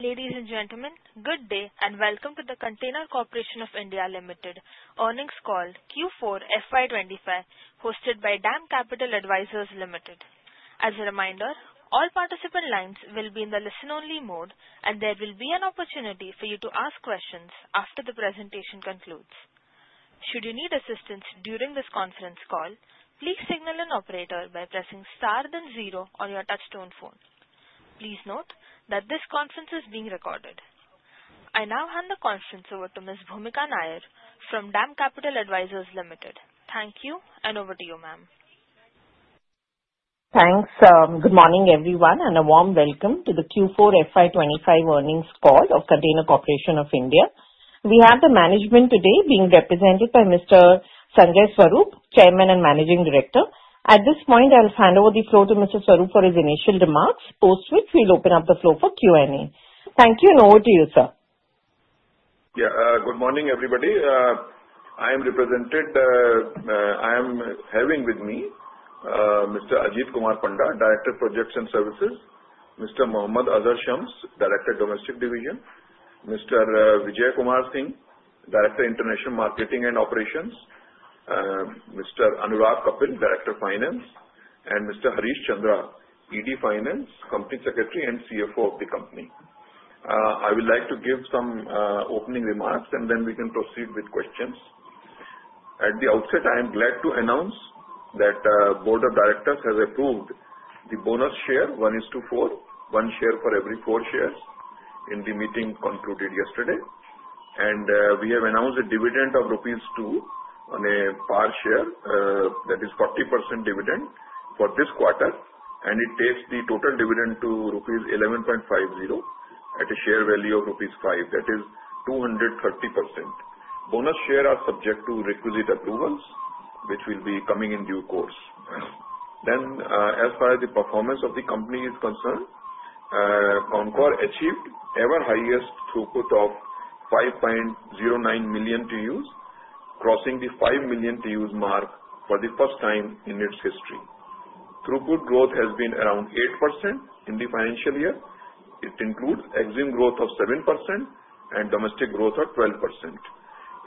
Ladies and gentlemen, good day and welcome to the Container Corporation of India Limited Earnings Call, Q4 FY25, hosted by DAM Capital Advisors Limited. As a reminder, all participant lines will be in the listen-only mode, and there will be an opportunity for you to ask questions after the presentation concludes. Should you need assistance during this conference call, please signal an operator by pressing star then zero on your touchtone phone. Please note that this conference is being recorded. I now hand the conference over to Ms. Bhoomika Nair from DAM Capital Advisors Limited. Thank you, and over to you, ma'am. Thanks. Good morning, everyone, and a warm welcome to the Q4 FY25 earnings call of Container Corporation of India. We have the management today being represented by Mr. Sanjay Swarup, Chairman and Managing Director. At this point, I'll hand over the floor to Mr. Swarup for his initial remarks, post which we'll open up the floor for Q&A. Thank you, and over to you, sir. Yeah, good morning, everybody. I am the presentator. I have with me Mr. Ajit Kumar Panda, Director of Projects and Services, Mr. Mohammad Azhar Shams, Director of Domestic Division, Mr. Vijay Kumar Singh, Director of International Marketing and Operations, Mr. Anurag Kapil, Director of Finance, and Mr. Harish Chandra, ED Finance, Company Secretary and CFO of the company. I would like to give some opening remarks, and then we can proceed with questions. At the outset, I am glad to announce that the Board of Directors has approved the bonus share, one is to four, one share for every four shares, in the meeting concluded yesterday. We have announced a dividend of Rs. 2 per share, that is 40% dividend for this quarter, and it takes the total dividend to Rs. 11.50 at a share value of Rs. 5, that is 230%. Bonus shares are subject to requisite approvals, which will be coming in due course. As far as the performance of the company is concerned, CONCOR achieved ever-highest throughput of 5.09 million TEUs, crossing the five million TEUs mark for the first time in its history. Throughput growth has been around 8% in the financial year. It includes EXIM growth of 7% and domestic growth of 12%.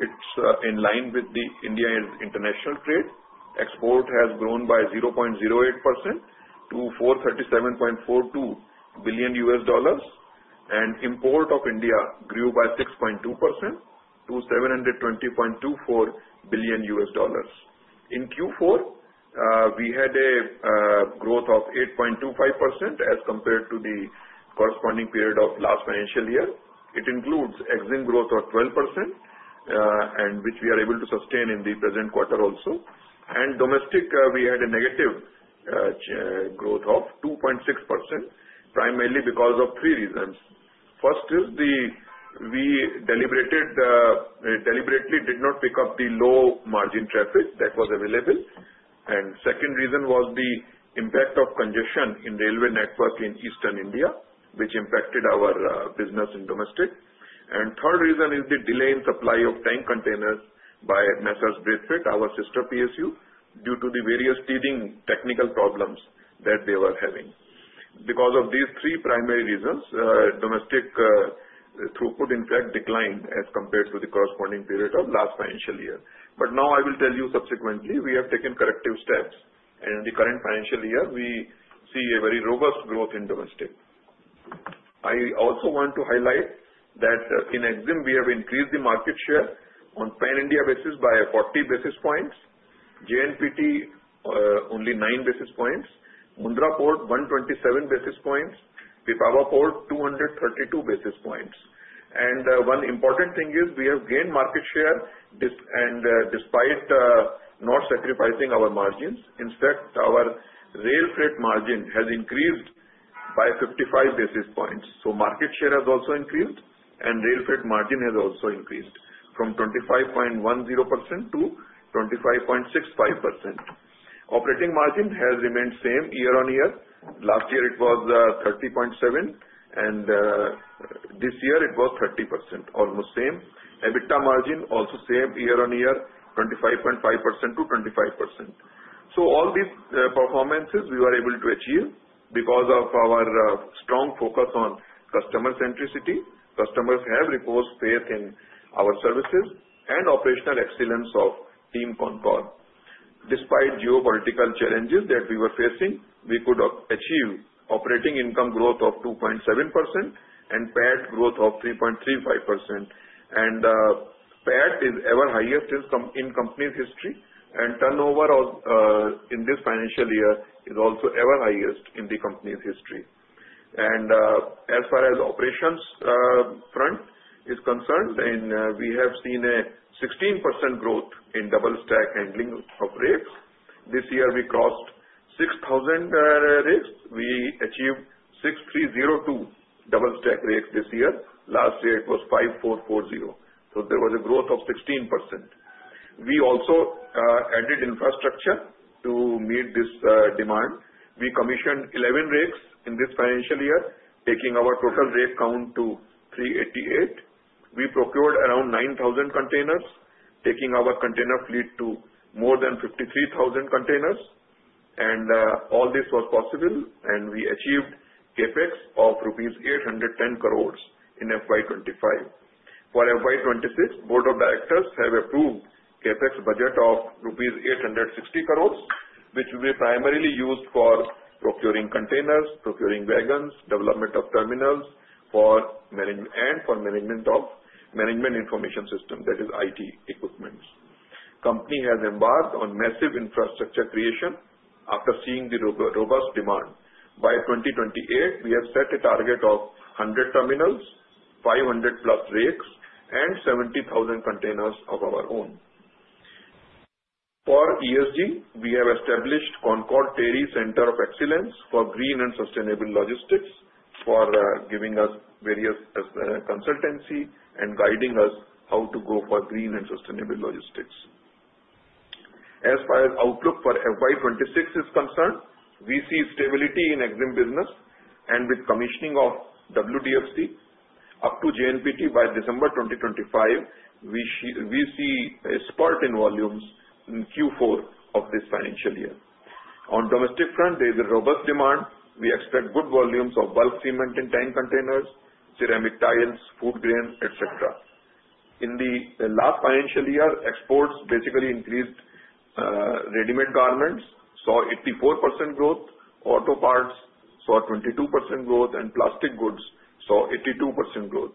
It's in line with India's international trade. Export has grown by 0.08% to $437.42 billion, and import of India grew by 6.2% to $720.24 billion. In Q4, we had a growth of 8.25% as compared to the corresponding period of last financial year. It includes EXIM growth of 12%, which we are able to sustain in the present quarter also. Domestic, we had a negative growth of 2.6%, primarily because of three reasons. First is we deliberately did not pick up the low margin traffic that was available, and the second reason was the impact of congestion in the railway network in Eastern India, which impacted our business in domestic, and the third reason is the delay in supply of tank containers by Braithwaite & Co. Ltd., our sister PSU, due to the various severe technical problems that they were having. Because of these three primary reasons, domestic throughput, in fact, declined as compared to the corresponding period of last financial year, but now I will tell you subsequently, we have taken corrective steps, and in the current financial year, we see a very robust growth in domestic. I also want to highlight that in EXIM, we have increased the market share on a pan-India basis by 40 basis points, JNPT only 9 basis points, Mundra Port 127 basis points, Pipavav Port 232 basis points. And one important thing is we have gained market share, and despite not sacrificing our margins, in fact, our rail freight margin has increased by 55 basis points. So market share has also increased, and rail freight margin has also increased from 25.10% to 25.65%. Operating margin has remained the same year on year. Last year, it was 30.7%, and this year it was 30%, almost the same. EBITDA margin also the same year on year, 25.5% to 25%. So all these performances we were able to achieve because of our strong focus on customer centricity. Customers have reposed faith in our services and operational excellence of Team CONCOR. Despite geopolitical challenges that we were facing, we could achieve operating income growth of 2.7% and PAT growth of 3.35%. PAT is ever highest in the company's history, and turnover in this financial year is also ever highest in the company's history. And as far as the operations front is concerned, then we have seen a 16% growth in double-stack handling of rakes. This year, we crossed 6,000 rakes. We achieved 6,302 double-stack rakes this year. Last year, it was 5,440. So there was a growth of 16%. We also added infrastructure to meet this demand. We commissioned 11 rakes in this financial year, taking our total rake count to 388. We procured around 9,000 containers, taking our container fleet to more than 53,000 containers. And all this was possible, and we achieved CAPEX of rupees 810 crores in FY25. For FY26, Board of Directors have approved CAPEX budget of INR. 860 crores, which will be primarily used for procuring containers, procuring wagons, development of terminals, and for management of management information systems, that is IT equipment. The Company has embarked on massive infrastructure creation after seeing the robust demand. By 2028, we have set a target of 100 terminals, 500 plus rakes, and 70,000 containers of our own. For ESG, we have established CONCOR Technology Center of Excellence for Green and Sustainable Logistics for giving us various consultancy and guiding us how to go for green and sustainable logistics. As far as outlook for FY26 is concerned, we see stability in EXIM business, and with commissioning of WDFC up to JNPT by December 2025, we see a spurt in volumes in Q4 of this financial year. On the domestic front, there is a robust demand. We expect good volumes of bulk cement and tank containers, ceramic tiles, food grains, etc. In the last financial year, exports basically increased. Ready-made garments saw 84% growth, auto parts saw 22% growth, and plastic goods saw 82% growth.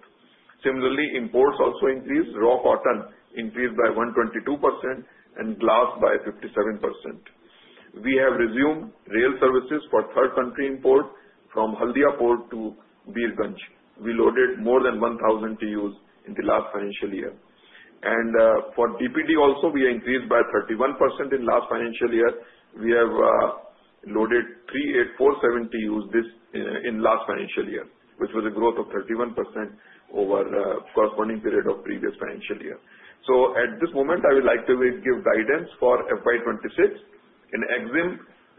Similarly, imports also increased. Raw cotton increased by 122% and glass by 57%. We have resumed rail services for third country import from Haldia Port to Birgunj. We loaded more than 1,000 TEUs in the last financial year, and for DPD also, we increased by 31% in the last financial year. We have loaded 3,847 TEUs in the last financial year, which was a growth of 31% over the corresponding period of the previous financial year. At this moment, I would like to give guidance for FY26. In EXIM,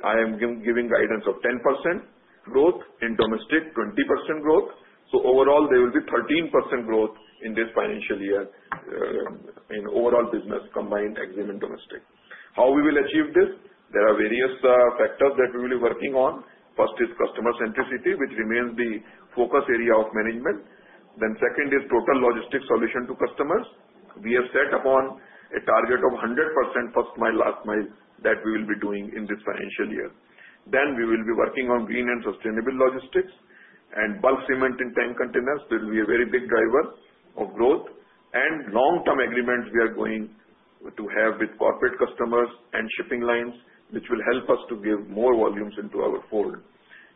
I am giving guidance of 10% growth, in domestic, 20% growth. Overall, there will be 13% growth in this financial year in overall business, combined EXIM and domestic. How we will achieve this? There are various factors that we will be working on. First is customer centricity, which remains the focus area of management. Then second is total logistics solution to customers. We have set upon a target of 100% first mile, last mile, that we will be doing in this financial year. Then we will be working on green and sustainable logistics, and bulk cement and tank containers will be a very big driver of growth, and long-term agreements we are going to have with corporate customers and shipping lines, which will help us to give more volumes into our fold,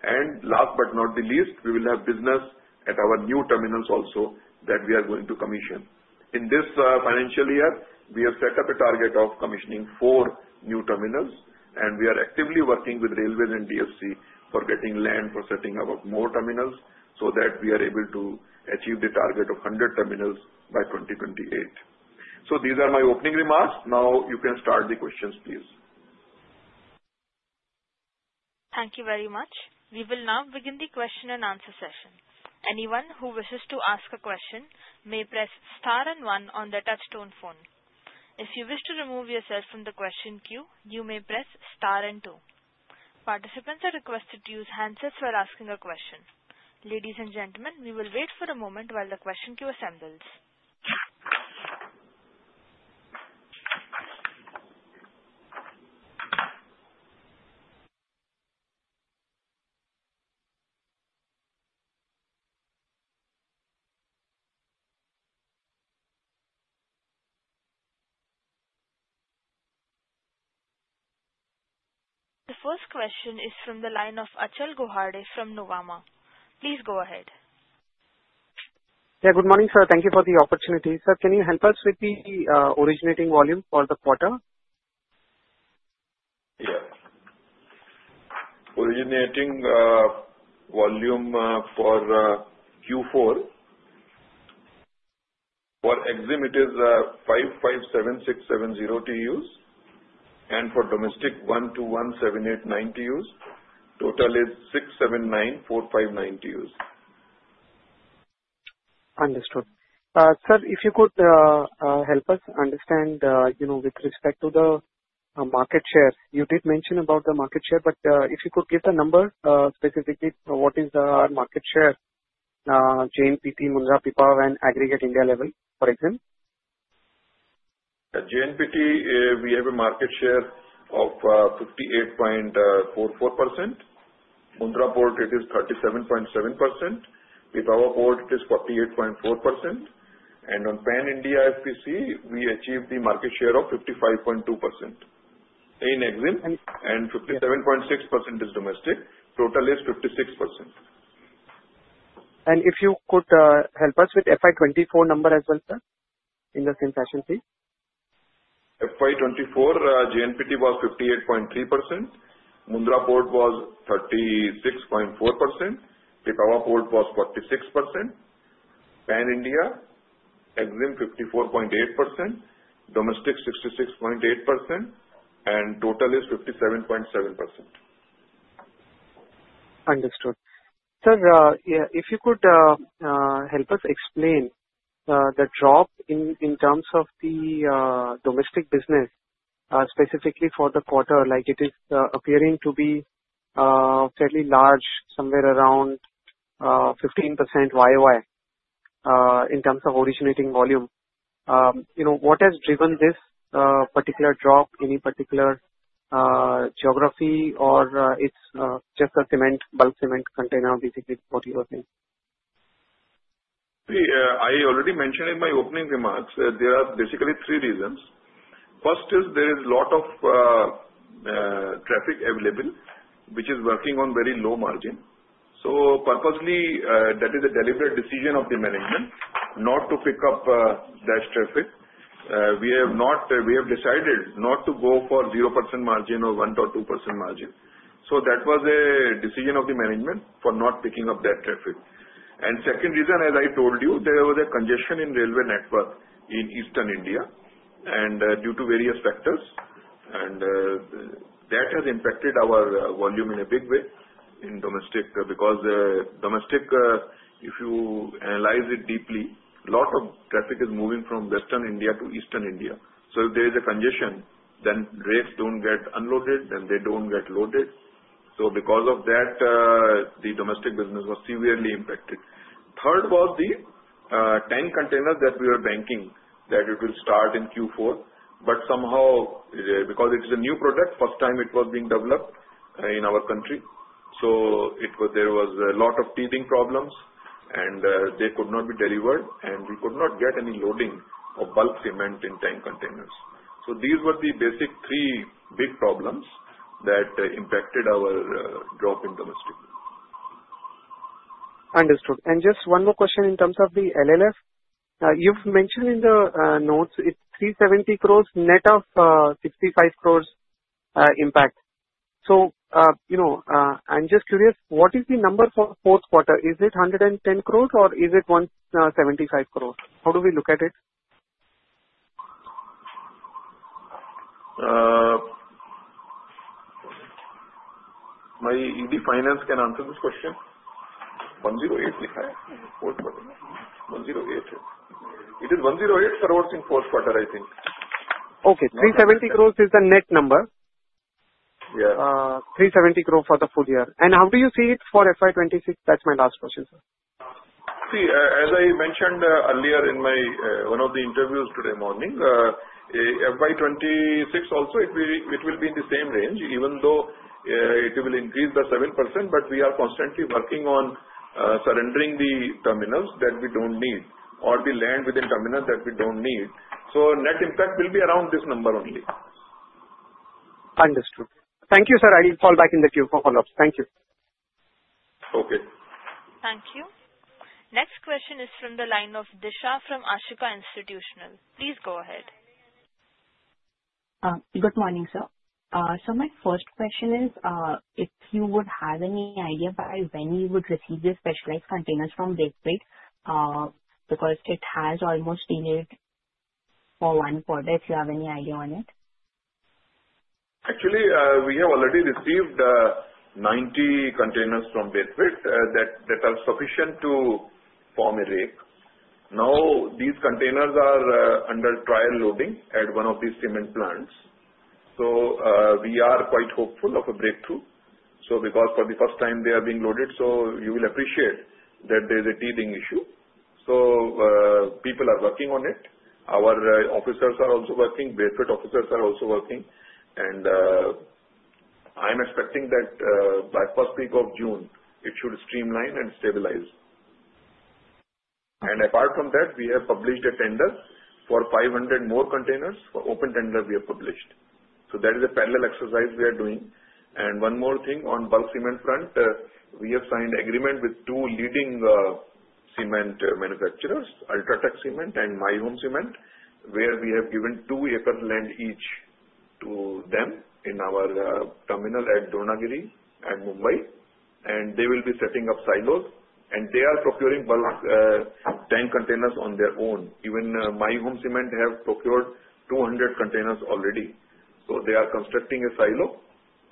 and last but not the least, we will have business at our new terminals also that we are going to commission. In this financial year, we have set up a target of commissioning four new terminals, and we are actively working with Railways and DFC for getting land for setting up more terminals so that we are able to achieve the target of 100 terminals by 2028. So these are my opening remarks. Now you can start the questions, please. Thank you very much. We will now begin the question and answer session. Anyone who wishes to ask a question may press star and one on the touchtone phone. If you wish to remove yourself from the question queue, you may press star and two. Participants are requested to use handsets while asking a question. Ladies and gentlemen, we will wait for a moment while the question queue assembles. The first question is from the line of Achal Lohade from Nuvama. Please go ahead. Yeah, good morning, sir. Thank you for the opportunity. Sir, can you help us with the originating volume for the quarter? Yes. Originating volume for Q4, for EXIM, it is 5,576,700 TEUs, and for domestic, 1,217,890 TEUs. Total is 6,794,590 TEUs. Understood. Sir, if you could help us understand with respect to the market share, you did mention about the market share, but if you could give the number specifically, what is our market share? JNPT, Mundra, Pipavav, and aggregate India level, for EXIM? At JNPT, we have a market share of 58.44%. Mundra Port, it is 37.7%. Pipavav Port, it is 48.4%. And on pan-India EXIM, we achieved the market share of 55.2%. In EXIM, and 57.6% is domestic. Total is 56%. If you could help us with FY24 number as well, sir, in the same fashion, please. FY24, JNPT was 58.3%. Mundra Port was 36.4%. Pipavav Port was 46%. Pan-India, EXIM, 54.8%. Domestic, 66.8%. And total is 57.7%. Understood. Sir, if you could help us explain the drop in terms of the domestic business, specifically for the quarter, like it is appearing to be fairly large, somewhere around 15% YOY in terms of originating volume. What has driven this particular drop in a particular geography, or it's just a cement, bulk cement container, basically what you were saying? I already mentioned in my opening remarks, there are basically three reasons. First is there is a lot of traffic available, which is working on very low margin. So purposely, that is a deliberate decision of the management not to pick up that traffic. We have decided not to go for 0% margin or 1% or 2% margin. So that was a decision of the management for not picking up that traffic. And second reason, as I told you, there was a congestion in railway network in Eastern India, and due to various factors, that has impacted our volume in a big way in domestic. Because domestic, if you analyze it deeply, a lot of traffic is moving from Western India to Eastern India. So if there is a congestion, then rakes don't get unloaded, then they don't get loaded. So because of that, the domestic business was severely impacted. Third was the tank containers that we were banking that it will start in Q4. But somehow, because it is a new product, first time it was being developed in our country. So there was a lot of teething problems, and they could not be delivered, and we could not get any loading of bulk cement in tank containers. So these were the basic three big problems that impacted our drop in domestic. Understood. And just one more question in terms of the LLF. You've mentioned in the notes it's 370 crores net of 65 crores impact. So I'm just curious, what is the number for fourth quarter? Is it 110 crores, or is it 175 crores? How do we look at it? My ED Finance can answer this question. 108 is the fourth quarter. 108. It is 108 crores in fourth quarter, I think. Okay. 370 crores is the net number. Yes. 370 crores for the full year. And how do you see it for FY26? That's my last question, sir. See, as I mentioned earlier in one of the interviews today morning, FY26 also, it will be in the same range, even though it will increase by 7%, but we are constantly working on surrendering the terminals that we don't need, or the land within terminals that we don't need. So net impact will be around this number only. Understood. Thank you, sir. I will call back in the queue for follow-ups. Thank you. Okay. Thank you. Next question is from the line of Disha from Ashika Institutional. Please go ahead. Good morning, sir. My first question is if you would have any idea by when you would receive the specialized containers from Braithwaite, because it has almost been one quarter, if you have any idea on it? Actually, we have already received 90 containers from My Home that are sufficient to form a rake. Now, these containers are under trial loading at one of these cement plants, so we are quite hopeful of a breakthrough, so because for the first time, they are being loaded, so you will appreciate that there is a teething issue, so people are working on it. Our officers are also working. My Home officers are also working, and I'm expecting that by first week of June, it should streamline and stabilize, and apart from that, we have published a tender for 500 more containers. For open tender, we have published, so that is a parallel exercise we are doing. One more thing on bulk cement front. We have signed agreement with two leading cement manufacturers, UltraTech Cement and My Home Industries, where we have given two acres land each to them in our terminal at Dronagiri and Mumbai. They will be setting up silos, and they are procuring bulk tank containers on their own. Even My Home Industries have procured 200 containers already. They are constructing a silo,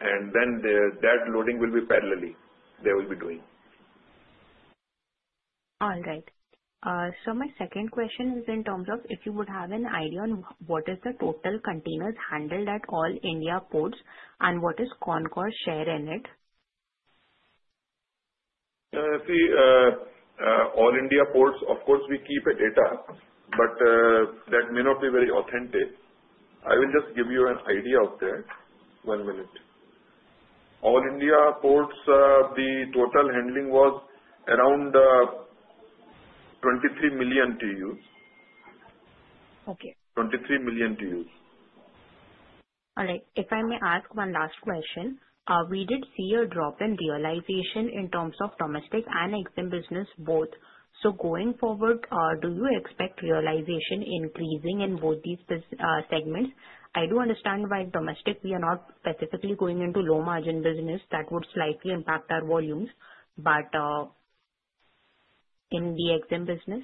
and then that loading will be parallelly they will be doing. All right. So my second question is in terms of if you would have an idea on what is the total containers handled at all India ports and what is CONCOR share in it? See, all India ports, of course, we keep a data, but that may not be very authentic. I will just give you an idea of that. One minute. All India ports, the total handling was around 23 million TEUs. Okay. 23 million TEUs. All right. If I may ask one last question, we did see a drop in realization in terms of domestic and EXIM business both. So going forward, do you expect realization increasing in both these segments? I do understand why domestic we are not specifically going into low margin business that would slightly impact our volumes, but in the EXIM business?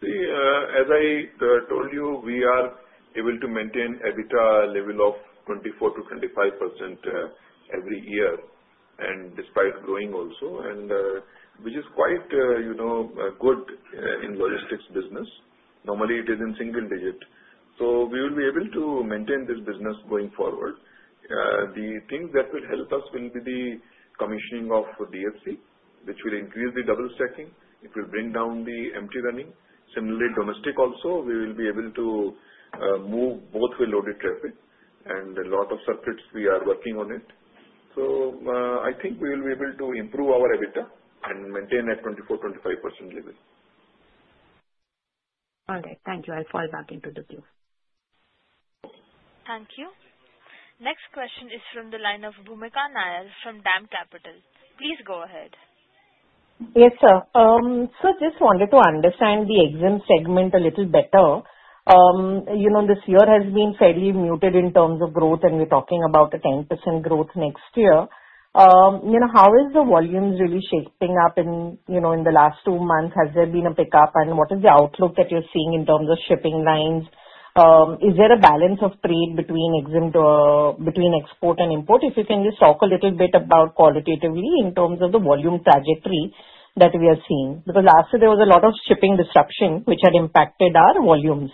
See, as I told you, we are able to maintain EBITDA level of 24%-25% every year, and despite growing also, which is quite good in logistics business. Normally, it is in single digit. So we will be able to maintain this business going forward. The thing that will help us will be the commissioning of DFC, which will increase the double stacking. It will bring down the empty running. Similarly, domestic also, we will be able to move both way loaded traffic, and a lot of circuits we are working on it. So I think we will be able to improve our EBITDA and maintain at 24%-25% level. All right. Thank you. I'll fall back into the queue. Thank you. Next question is from the line of Bhoomika Nair from DAM Capital. Please go ahead. Yes, sir. Sir, just wanted to understand the EXIM segment a little better. This year has been fairly muted in terms of growth, and we're talking about a 10% growth next year. How is the volumes really shaping up in the last two months? Has there been a pickup? And what is the outlook that you're seeing in terms of shipping lines? Is there a balance of trade between EXIM export and import? If you can just talk a little bit about qualitatively in terms of the volume trajectory that we are seeing. Because last year, there was a lot of shipping disruption, which had impacted our volumes.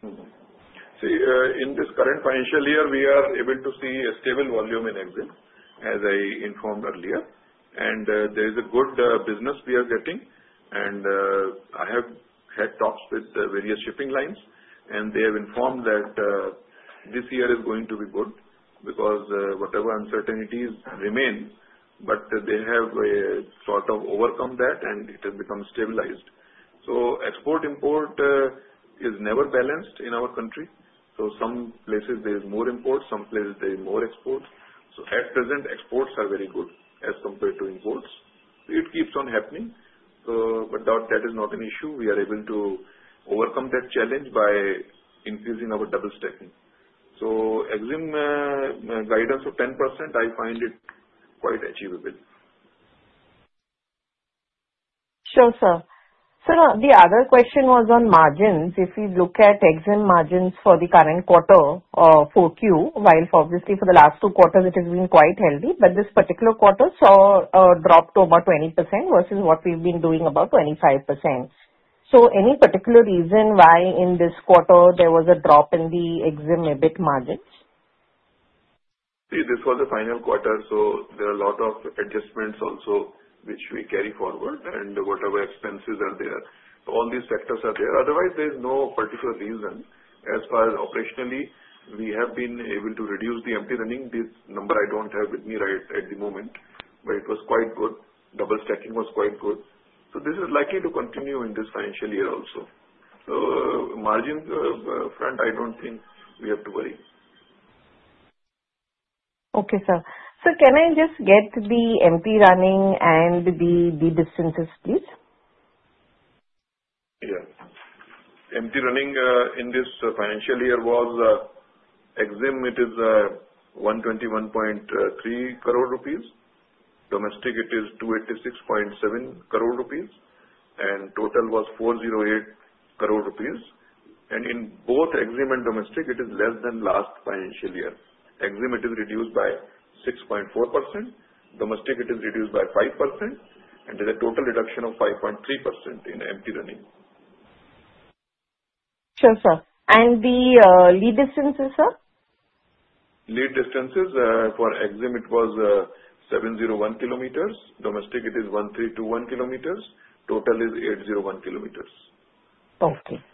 See, in this current financial year, we are able to see a stable volume in EXIM, as I informed earlier, and there is a good business we are getting, and I have had talks with various shipping lines, and they have informed that this year is going to be good because whatever uncertainties remain, but they have sort of overcome that, and it has become stabilized, so export-import is never balanced in our country. Some places, there is more import. Some places, there is more export, so at present, exports are very good as compared to imports. It keeps on happening, but that is not an issue. We are able to overcome that challenge by increasing our double stacking, so EXIM guidance of 10%, I find it quite achievable. Sure, sir. Sir, the other question was on margins. If we look at EXIM margins for the current quarter for Q, while obviously for the last two quarters, it has been quite healthy, but this particular quarter saw a drop to about 20% versus what we've been doing about 25%. So any particular reason why in this quarter there was a drop in the EXIM EBIT margins? See, this was the final quarter, so there are a lot of adjustments also which we carry forward, and whatever expenses are there. So all these factors are there. Otherwise, there is no particular reason. As far as operationally, we have been able to reduce the empty running. This number I don't have with me right at the moment, but it was quite good. Double stacking was quite good. So this is likely to continue in this financial year also. So margin front, I don't think we have to worry. Okay, sir. Sir, can I just get the empty running and the distances, please? Yes. Empty running in this financial year was EXIM. It is 121.3 crore rupees. Domestic, it is 286.7 crore rupees, and total was 408 crore rupees, and in both EXIM and domestic, it is less than last financial year. EXIM, it is reduced by 6.4%. Domestic, it is reduced by 5%, and there is a total reduction of 5.3% in empty running. Sure, sir, and the lead distances, sir? Lead distances for EXIM, it was 701 km. Domestic, it is 1321 km. Total is 801 km. Okay.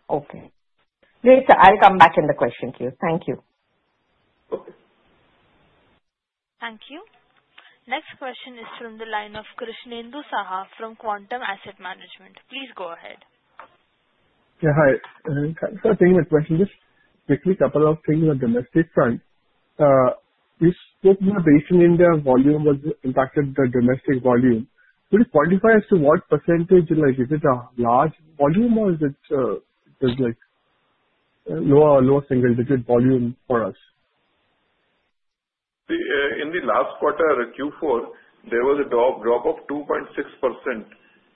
Great. I'll come back in the question queue. Thank you. Okay. Thank you. Next question is from the line of Krishnendu Saha from Quantum Asset Management. Please go ahead. Yeah. Hi. Thanks for taking my question. Just quickly, a couple of things on domestic front. We spoke about Eastern India volume was impacted by domestic volume. Could you quantify as to what percentage? Is it a large volume, or is it like lower single-digit volume for us? See, in the last quarter, Q4, there was a drop of 2.6%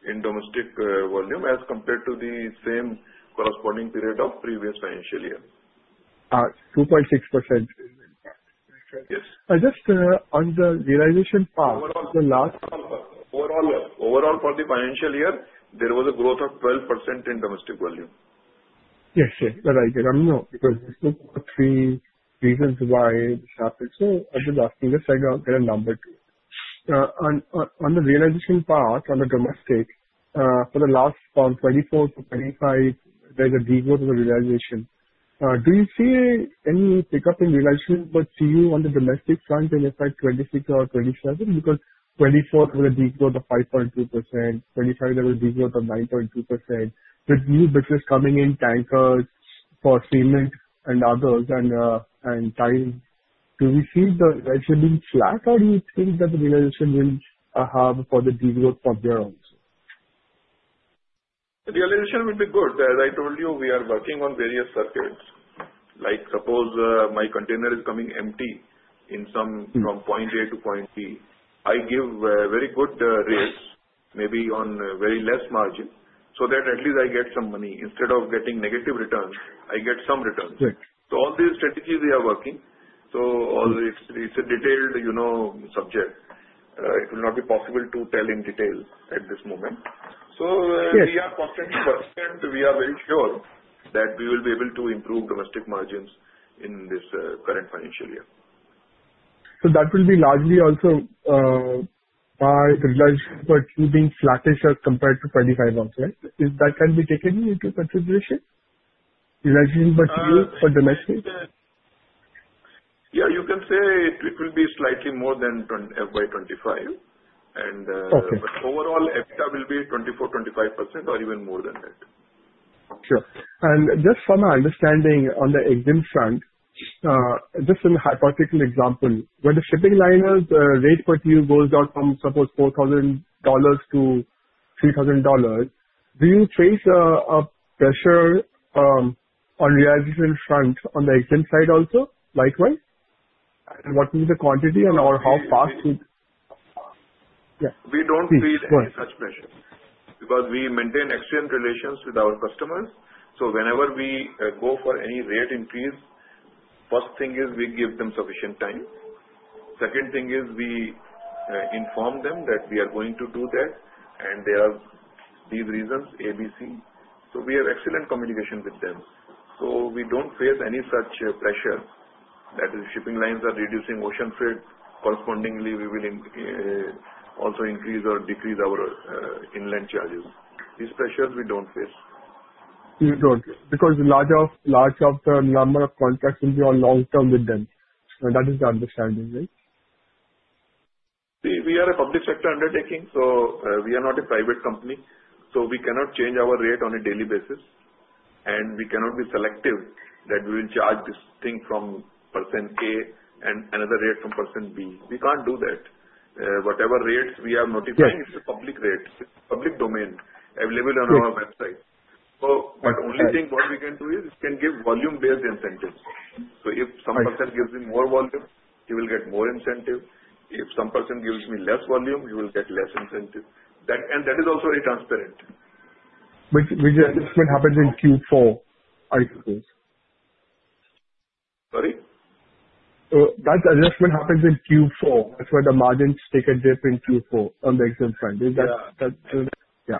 in domestic volume as compared to the same corresponding period of previous financial year. 2.6%. Yes. Just on the realization part, the last. Overall, for the financial year, there was a growth of 12% in domestic volume. Yes. You're right. I know because we spoke about three reasons why this happened. So I'm just asking this so I can get a number too. On the realization part, on the domestic, for the last 24-25, there's a degrowth of the realization. Do you see any pickup in realization on the domestic front in FY 26 or 27? Because 24, there was a degrowth of 5.2%. 25, there was a degrowth of 9.2%. With new business coming in, tankers for cement and others and tile, do we see the realization being flat, or do you think that the realization will have for the degrowth from there also? The realization will be good. As I told you, we are working on various circuits. Like suppose my container is coming empty from point A to point B. I give a very good rate, maybe on very less margin, so that at least I get some money. Instead of getting negative returns, I get some returns. So all these strategies we are working. So it's a detailed subject. It will not be possible to tell in detail at this moment. So we are constantly working, and we are very sure that we will be able to improve domestic margins in this current financial year. So that will be largely also by the realization for Q being flattish as compared to 25 also. That can be taken into consideration? The realization for Q for domestic? Yeah. You can say it will be slightly more than 25%. And overall, EBITDA will be 24% to 25% or even more than that. Sure. And just from our understanding on the EXIM front, just in a hypothetical example, when the shipping line's rate per TEU goes down from suppose $4,000 to $3,000, do you face a pressure on realization front on the EXIM side also likewise? And what will be the quantity and/or how fast? We don't feel any such pressure because we maintain excellent relations with our customers. So whenever we go for any rate increase, first thing is we give them sufficient time. Second thing is we inform them that we are going to do that, and there are these reasons, A, B, C. So we have excellent communication with them. So we don't face any such pressure that the shipping lines are reducing ocean freight. Correspondingly, we will also increase or decrease our inland charges. These pressures, we don't face. You don't. Because large of the number of contracts will be on long-term with them. That is the understanding, right? See, we are a public sector undertaking, so we are not a private company. So we cannot change our rate on a daily basis, and we cannot be selective that we will charge this thing from person A and another rate from person B. We can't do that. Whatever rates we are notifying, it's a public rate. It's a public domain available on our website. But the only thing what we can do is we can give volume-based incentives. So if some person gives me more volume, he will get more incentive. If some person gives me less volume, he will get less incentive. And that is also very transparent. Which adjustment happens in Q4, I suppose? Sorry? That adjustment happens in Q4. That's where the margins take a dip in Q4 on the EXIM front. Is that? Yeah.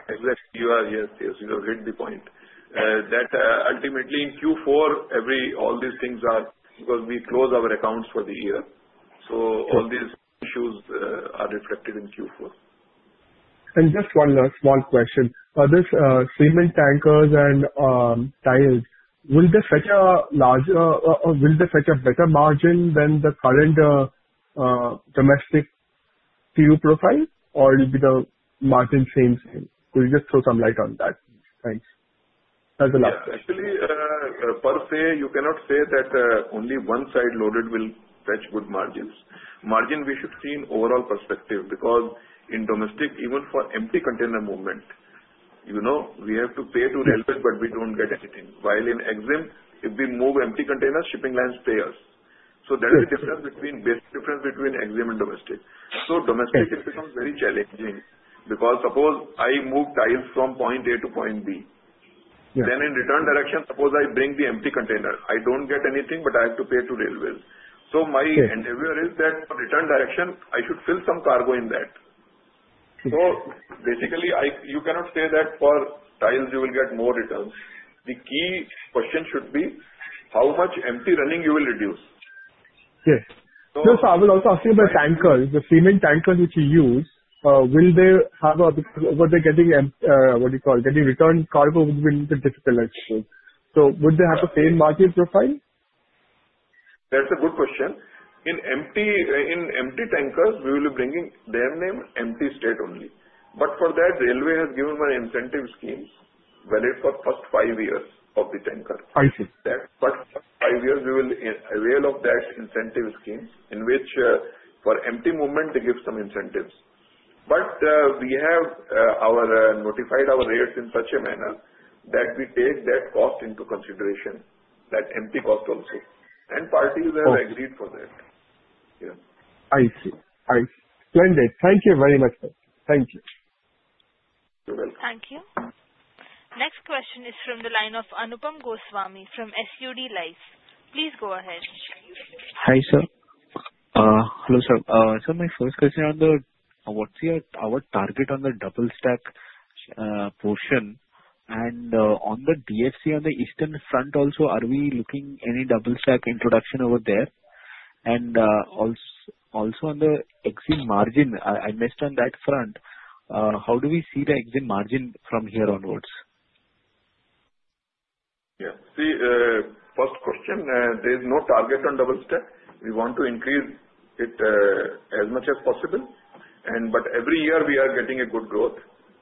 You are here. You have hit the point. That ultimately in Q4, all these things are because we close our accounts for the year. So all these issues are reflected in Q4. Just one small question. For this cement tankers and tiles, will they fetch a larger or will they fetch a better margin than the current domestic TEU profile, or will the margin stay the same? Could you just throw some light on that? Thanks. That's the last question. Actually, per se, you cannot say that only one side loaded will fetch good margins. Margins we should see in overall perspective because in domestic, even for empty container movement, we have to pay to Railways, but we don't get anything. While in EXIM, if we move empty containers, shipping lines pay us. So that is the difference between EXIM and domestic. So domestic, it becomes very challenging because suppose I move tiles from point A to point B. Then in return direction, suppose I bring the empty container. I don't get anything, but I have to pay to Railways. So my endeavor is that for return direction, I should fill some cargo in that. So basically, you cannot say that for tiles, you will get more returns. The key question should be how much empty running you will reduce. Yes. So I will also ask you about tankers. The cement tankers which you use, will they have what they're getting, what do you call? Getting return cargo will be a little bit difficult. So would they have the same margin profile? That's a good question. In empty tankers, we will be bringing them in empty state only, but for that, railway has given one incentive scheme valid for the first five years of the tanker. That first five years, we will avail of that incentive scheme in which for empty movement, they give some incentives, but we have notified our rates in such a manner that we take that cost into consideration, that empty cost also, and parties have agreed for that. I see. I see. Splendid. Thank you very much, sir. Thank you. You're welcome. Thank you. Next question is from the line of Anupam Goswami from SUD Life. Please go ahead. Hi, sir. Hello, sir. Sir, my first question: what's our target on the double stack portion? And on the DFC on the eastern front also, are we looking any double stack introduction over there? And also on the EXIM margin, I missed on that front. How do we see the EXIM margin from here onwards? Yeah. See, first question, there is no target on double-stack. We want to increase it as much as possible. But every year, we are getting a good growth.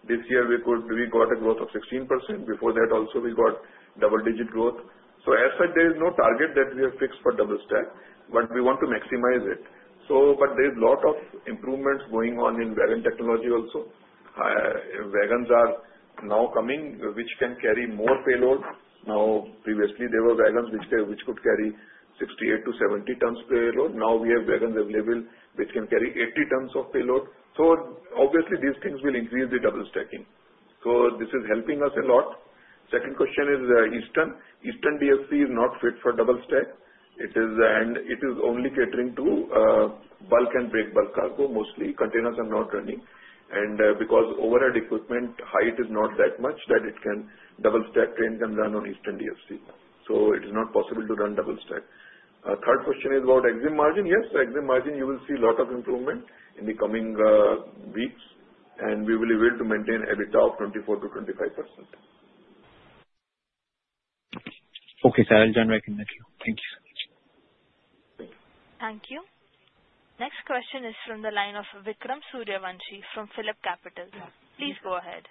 This year, we got a growth of 16%. Before that, also, we got double-digit growth. So as such, there is no target that we have fixed for double-stack, but we want to maximize it. But there is a lot of improvements going on in wagon technology also. Wagons are now coming, which can carry more payload. Now, previously, there were wagons which could carry 68-70 tons payload. Now, we have wagons available which can carry 80 tons of payload. So obviously, these things will increase the double-stacking. So this is helping us a lot. Second question is eastern. Eastern DFC is not fit for double-stack. It is only catering to bulk and big bulk cargo. Mostly containers are not running. Because overhead equipment height is not that much that it can double stack, train can run on Eastern DFC. It is not possible to run double stack. Third question is about EXIM margin. Yes, EXIM margin. You will see a lot of improvement in the coming weeks, and we will be able to maintain at the top 24%-25%. Okay, sir. I'll join right in that view. Thank you so much. Thank you. Thank you. Next question is from the line of Vikram Suryavanshi from PhillipCapital. Please go ahead.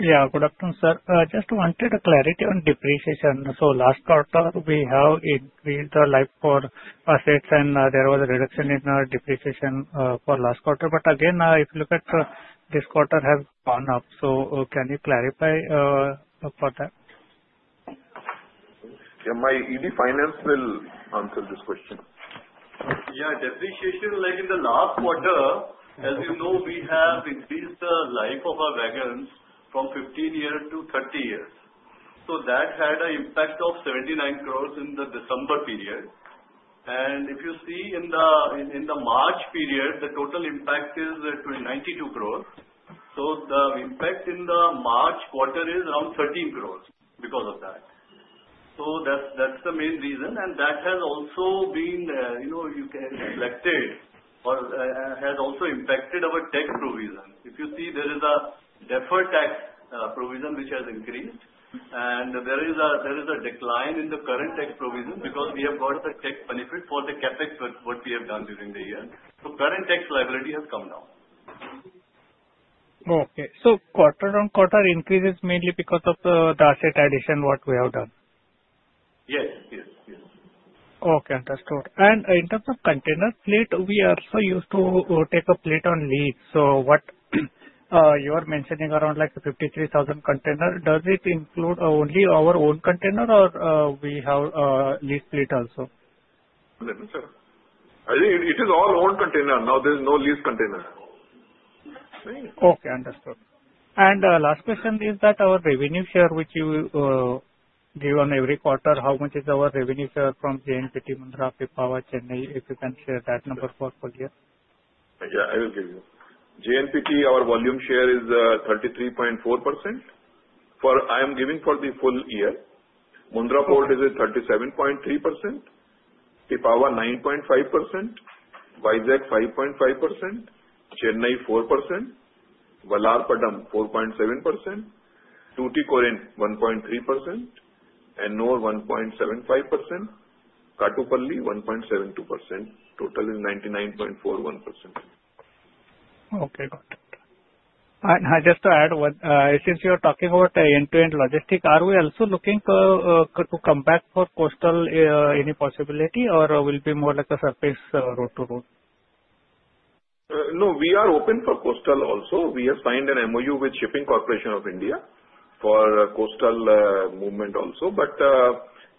Yeah. Good afternoon, sir. Just wanted a clarity on depreciation. So last quarter, we have increased our life for assets, and there was a reduction in our depreciation for last quarter. But again, if you look at this quarter, it has gone up. So can you clarify for that? Yeah. My ED Finance will answer this question. Yeah. Depreciation, like in the last quarter, as you know, we have increased the life of our wagons from 15 years to 30 years. So that had an impact of 79 crores in the December period. And if you see in the March period, the total impact is 92 crores. So the impact in the March quarter is around 13 crores because of that. So that's the main reason. And that has also been reflected or has also impacted our tax provision. If you see, there is a deferred tax provision which has increased, and there is a decline in the current tax provision because we have got the tax benefit for the CapEx, what we have done during the year. So current tax liability has come down. Okay. So quarter-on-quarter increases mainly because of the asset addition, what we have done? Yes. Yes. Yes. Okay. Understood. And in terms of container fleet, we are so used to take a fleet on lease. So what you are mentioning around like 53,000 containers, does it include only our own container, or we have leased fleet also? Let me, sir. I think it is all owned container. Now, there is no lease container. Okay. Understood. And last question is that our revenue share, which you give on every quarter, how much is our revenue share from JNPT, Mundra, Pipavav, Chennai? If you can share that number for full year. Yeah. I will give you. JNPT, our volume share is 33.4%. I am giving for the full year. Mundra Port is at 37.3%, Pipavav 9.5%, Visakhapatnam 5.5%, Chennai 4%, Vallarpadam 4.7%, Tuticorin 1.3%, Ennore 1.75%, Kattupalli 1.72%. Total is 99.41%. Okay. Got it. And just to add, since you are talking about end-to-end logistic, are we also looking to come back for coastal any possibility, or will it be more like a surface road-to-road? No. We are open for coastal also. We have signed an MoU with Shipping Corporation of India for coastal movement also. But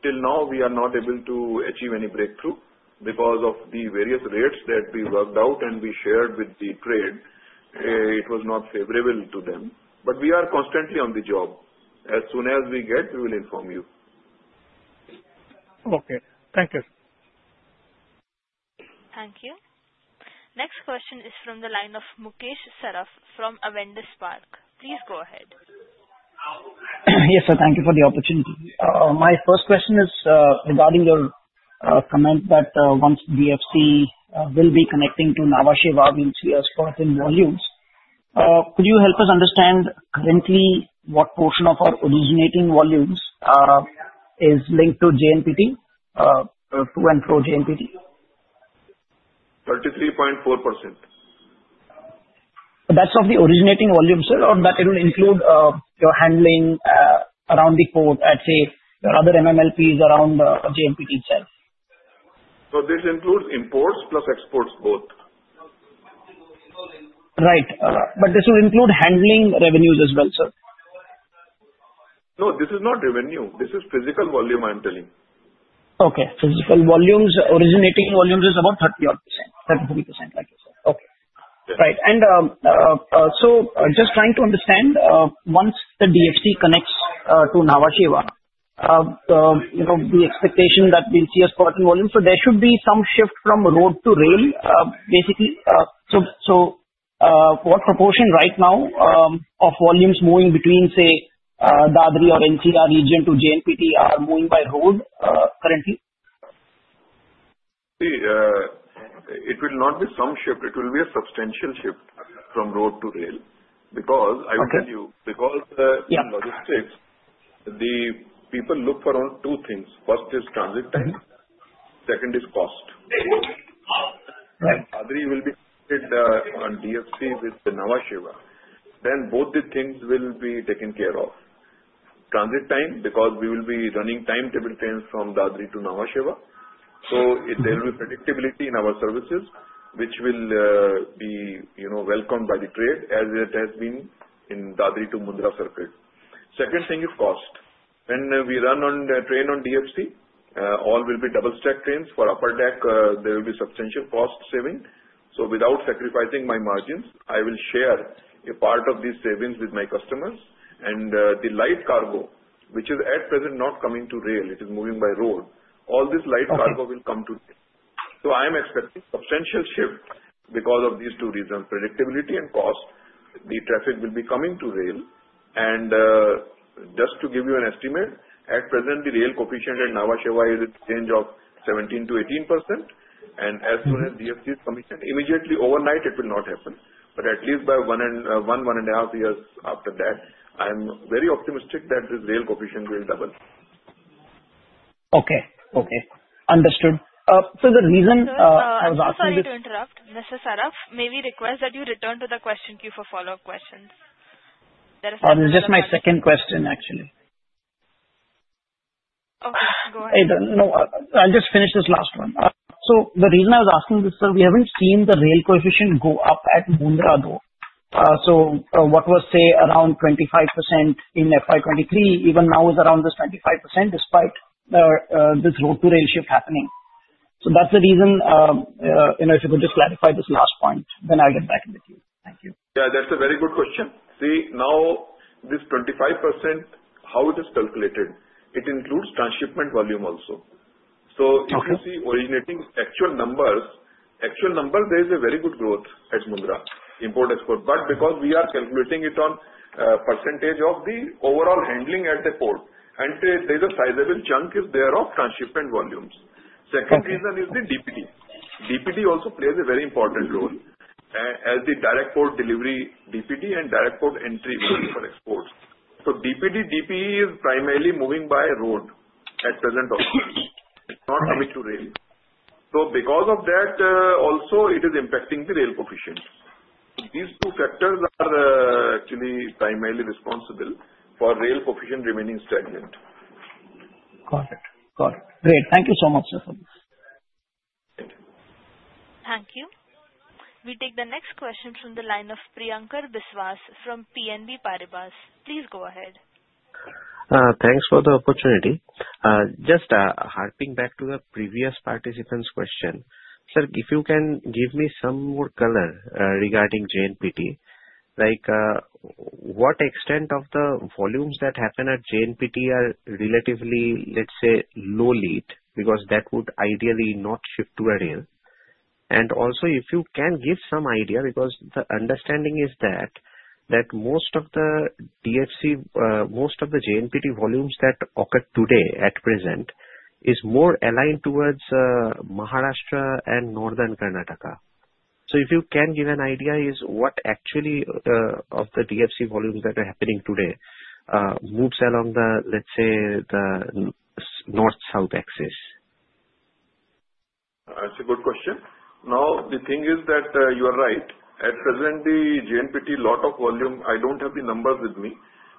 till now, we are not able to achieve any breakthrough because of the various rates that we worked out and we shared with the trade. It was not favorable to them. But we are constantly on the job. As soon as we get, we will inform you. Okay. Thank you. Thank you. Next question is from the line of Mukesh Saraf from Avendus Spark. Please go ahead. Yes, sir. Thank you for the opportunity. My first question is regarding your comment that once DFC will be connecting to Nhava Sheva, we are spotting volumes. Could you help us understand currently what portion of our originating volumes is linked to JNPT, to and fro JNPT? 33.4%. That's of the originating volumes, sir, or that it will include your handling around the port? I'd say, your other MMLPs around JNPT itself? This includes imports plus exports both. Right. But this will include handling revenues as well, sir? No. This is not revenue. This is physical volume I'm telling. Okay. Physical volumes, originating volumes is about 30%, 33%, like you said. Okay. Right. And so just trying to understand, once the DFC connects to Nhava Sheva, the expectation that we'll see a spot in volume, so there should be some shift from road to rail, basically. So what proportion right now of volumes moving between, say, Dadri or NCR region to JNPT are moving by road currently? See, it will not be some shift. It will be a substantial shift from road to rail because I will tell you, because in logistics, the people look for only two things. First is transit time. Second is cost. Dadri will be connected on DFC with Nhava Sheva. Then both the things will be taken care of. Transit time because we will be running timetable trains from Dadri to Nhava Sheva. So there will be predictability in our services, which will be welcomed by the trade as it has been in Dadri to Mundra circuit. Second thing is cost. When we run on train on DFC, all will be double-stack trains. For upper deck, there will be substantial cost saving. So without sacrificing my margins, I will share a part of these savings with my customers. The light cargo, which is at present not coming to rail, it is moving by road. All this light cargo will come to rail. I am expecting substantial shift because of these two reasons. Predictability and cost, the traffic will be coming to rail. Just to give you an estimate, at present, the rail coefficient at Nhava Sheva is in the range of 17%-18%. As soon as DFC is commissioned, immediately overnight, it will not happen. But at least by one and a half years after that, I am very optimistic that this rail coefficient will double. Okay. Okay. Understood. So the reason I was asking you. Sorry to interrupt, Mr. Saraf. May we request that you return to the question queue for follow-up questions? There are some questions. Oh, this is just my second question, actually. Okay. Go ahead. Hey, no. I'll just finish this last one. So the reason I was asking this, sir, we haven't seen the rail coefficient go up at Mundra though. So what was, say, around 25% in FY23, even now is around this 25% despite this road-to-rail shift happening. So that's the reason if you could just clarify this last point, then I'll get back with you. Thank you. Yeah. That's a very good question. See, now this 25%, how it is calculated, it includes transshipment volume also. So if you see originating actual numbers, actual numbers, there is a very good growth at Mundra, import-export. But because we are calculating it on percentage of the overall handling at the port, and there is a sizable chunk there of transshipment volumes. Second reason is the DPD. DPD also plays a very important role as the direct port delivery DPD and direct port entry for exports. So DPD, DPE is primarily moving by road at present also. It's not coming to rail. So because of that, also, it is impacting the rail coefficient. So these two factors are actually primarily responsible for rail coefficient remaining stagnant. Got it. Got it. Great. Thank you so much, sir, for this. Thank you. Thank you. We take the next question from the line of Priyankar Biswas from BNP Paribas. Please go ahead. Thanks for the opportunity. Just harping back to the previous participant's question, sir, if you can give me some more color regarding JNPT, like what extent of the volumes that happen at JNPT are relatively, let's say, low lead because that would ideally not shift to a rail. And also, if you can give some idea because the understanding is that most of the DFC, most of the JNPT volumes that occur today at present is more aligned towards Maharashtra and Northern Karnataka. So if you can give an idea is what actually of the DFC volumes that are happening today moves along the, let's say, the north-south axis. That's a good question. Now, the thing is that you are right. At present, the JNPT lot of volume, I don't have the numbers with me,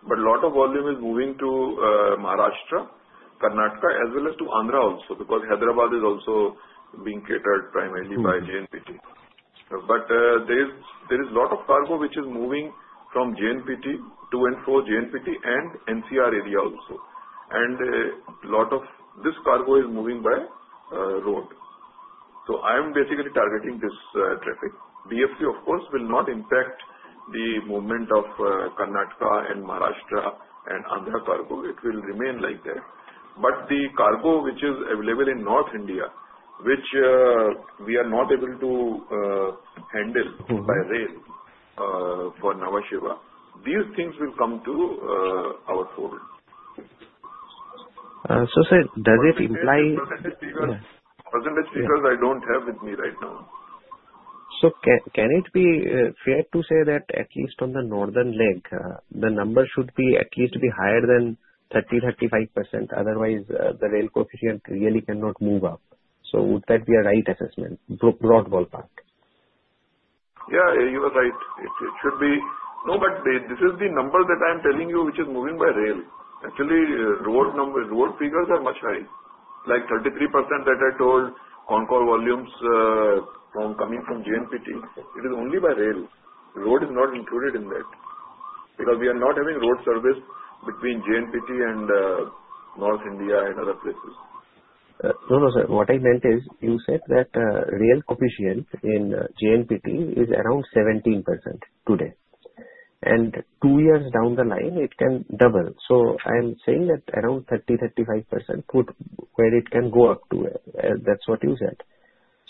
but a lot of volume is moving to Maharashtra, Karnataka, as well as to Andhra also because Hyderabad is also being catered primarily by JNPT. But there is a lot of cargo which is moving from JNPT to and fro JNPT and NCR area also. And a lot of this cargo is moving by road. So I am basically targeting this traffic. DFC, of course, will not impact the movement of Karnataka and Maharashtra and Andhra cargo. It will remain like that. But the cargo which is available in North India, which we are not able to handle by rail for Nhava Sheva, these things will come to our fold. So sir, does it imply? Percentage figures? Percentage figures I don't have with me right now. So can it be fair to say that at least on the northern leg, the number should be at least higher than 30%-35%? Otherwise, the rail coefficient really cannot move up. So would that be a right assessment, broad ballpark? Yeah. You are right. It should be. No, but this is the number that I'm telling you which is moving by rail. Actually, road figures are much higher. Like 33% that I told, CONCOR volumes coming from JNPT, it is only by rail. Road is not included in that because we are not having road service between JNPT and North India and other places. No, no, sir. What I meant is you said that rail coefficient in JNPT is around 17% today. And two years down the line, it can double. So I am saying that around 30-35% where it can go up to, that's what you said.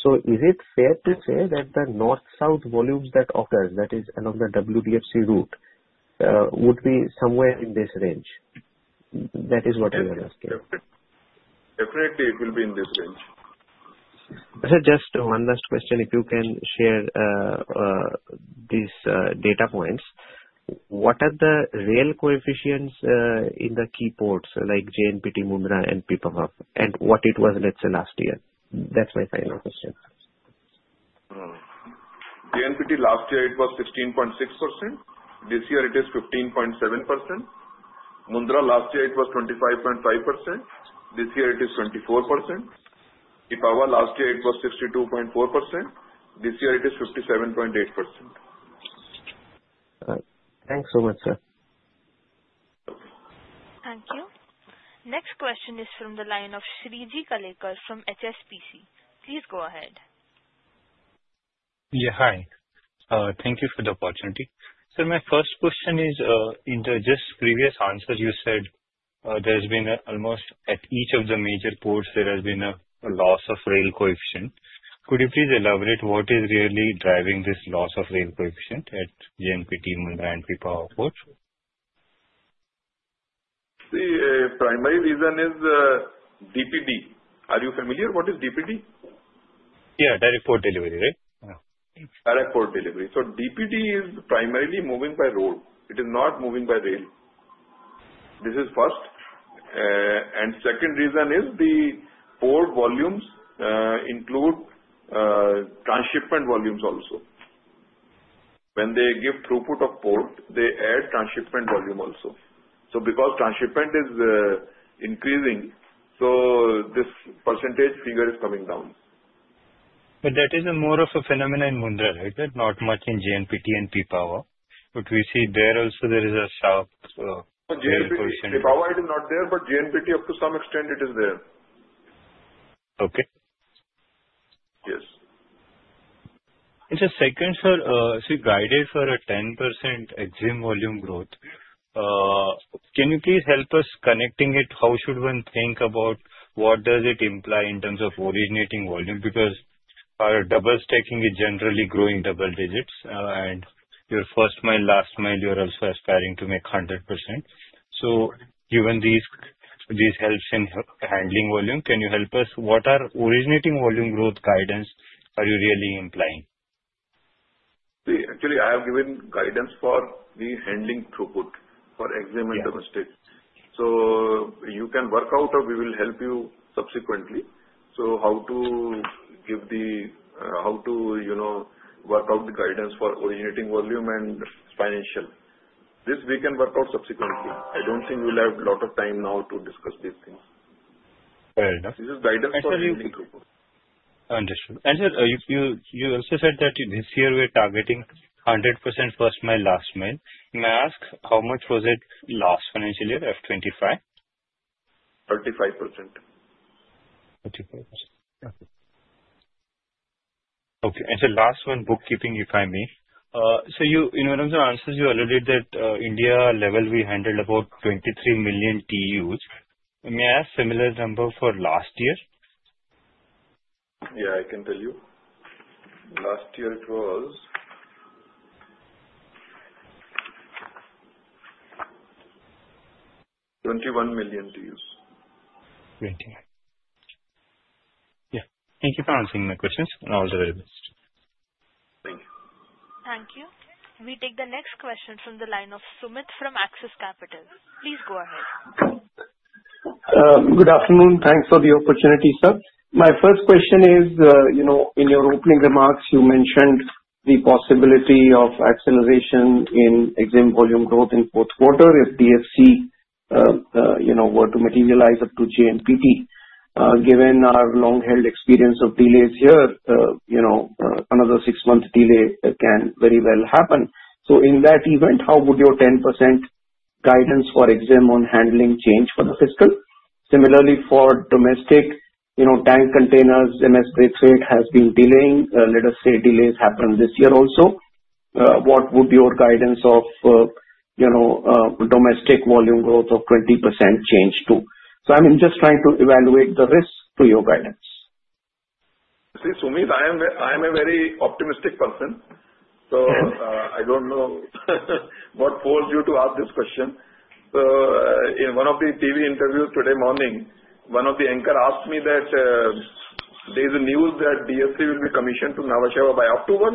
So is it fair to say that the north-south volumes that occur, that is along the WDFC route, would be somewhere in this range? That is what I am asking. Definitely. It will be in this range. Sir, just one last question. If you can share these data points, what are the rail coefficients in the key ports like JNPT, Mundra, and Pipavav, and what it was, let's say, last year? That's my final question. JNPT last year, it was 16.6%. This year, it is 15.7%. Mundra last year, it was 25.5%. This year, it is 24%. Pipavav last year, it was 62.4%. This year, it is 57.8%. Thanks so much, sir. Thank you. Next question is from the line of Shrinidhi Karlekar from HSBC. Please go ahead. Yeah. Hi. Thank you for the opportunity. Sir, my first question is, in the just previous answer, you said there has been almost at each of the major ports, there has been a loss of rail coefficient. Could you please elaborate what is really driving this loss of rail coefficient at JNPT, Mundra, and Pipavav ports? See, primary reason is DPD. Are you familiar? What is DPD? Yeah. Direct Port Delivery, right? Direct Port Delivery. So DPD is primarily moving by road. It is not moving by rail. This is first. And second reason is the port volumes include transshipment volumes also. When they give throughput of port, they add transshipment volume also. So because transshipment is increasing, so this percentage figure is coming down. But that is more of a phenomenon in Mundra, right? Not much in JNPT and Pipavav. But we see there also is a rail coefficient. JNPT, Pipavav is not there, but JNPT, up to some extent, it is there. Okay. Yes. And just a second, sir, so you guided for a 10% EXIM volume growth. Can you please help us connecting it? How should one think about what does it imply in terms of originating volume? Because our double stacking is generally growing double digits. And your first mile, last mile, you are also aspiring to make 100%. So given these helps in handling volume, can you help us? What are originating volume growth guidance are you really implying? See, actually, I have given guidance for the handling throughput for EXIM and domestic. So you can work out, or we will help you subsequently. So how to give the how to work out the guidance for originating volume and financial. This we can work out subsequently. I don't think we'll have a lot of time now to discuss these things. Fair enough. This is guidance for EXIM and throughput. Understood. Sir, you also said that this year we're targeting 100% first mile, last mile. May I ask how much was it last financial year, F25? 35%. 35%. Okay. And sir, last one, bookkeeping, if I may. So in one of your answers, you alluded that India level, we handled about 23 million TEUs. May I ask similar number for last year? Yeah. I can tell you. Last year, it was 21 million TEUs. 21. Yeah. Thank you for answering my questions. And all the very best. Thank you. Thank you. We take the next question from the line of Sumit from Axis Capital. Please go ahead. Good afternoon. Thanks for the opportunity, sir. My first question is, in your opening remarks, you mentioned the possibility of acceleration in EXIM volume growth in fourth quarter if DFC were to materialize up to JNPT. Given our long-held experience of delays here, another six-month delay can very well happen. So in that event, how would your 10% guidance for EXIM on handling change for the fiscal? Similarly, for domestic tank containers, MS breakthrough rate has been delaying. Let us say delays happen this year also. What would your guidance of domestic volume growth of 20% change to? So I'm just trying to evaluate the risk to your guidance. See, Sumit, I am a very optimistic person. So I don't know what forced you to ask this question. So in one of the TV interviews today morning, one of the anchors asked me that there is a news that DFC will be commissioned to Nhava Sheva by October.